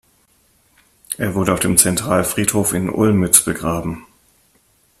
Er wurde auf dem Zentralfriedhof in Olmütz begraben.